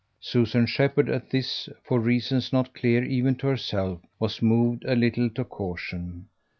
Susan Shepherd, at this, for reasons not clear even to herself, was moved a little to caution.